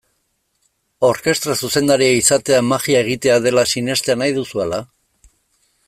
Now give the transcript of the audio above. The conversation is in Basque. Orkestra zuzendaria izatea magia egitea dela sinestea nahi duzu, ala?